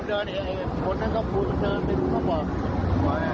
โทรนั่นก็พูดไปดูก็บอก